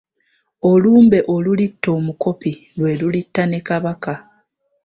Olumbe olulitta omukopi, lwe lulitta ne Kabaka.